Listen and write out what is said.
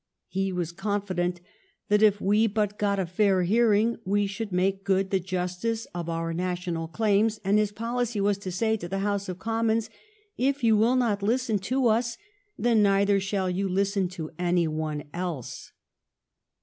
He was confi dent that if we but got a fair hearing we should make good the justice of our national claims, and his policy was to say to the House of Commons, " If you will not listen to us, then neither shall you listen to any one else."